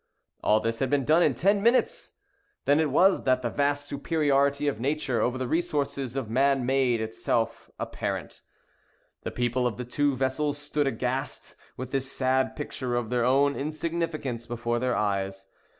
All this had been done in ten minutes! Then it was that the vast superiority of nature over the resources of man made itself apparent. The people of the two vessels stood aghast with this sad picture of their own insignificance before their eyes.